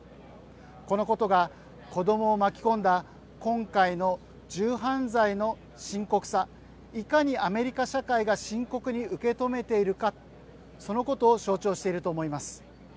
このことが子どもを巻き込んだ今回の銃犯罪の深刻さ、いかにアメリカ社会が深刻に受け止めているかそのことを象徴していると思います。